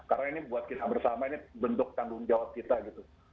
karena ini buat kita bersama ini bentuk tanggung jawab kita gitu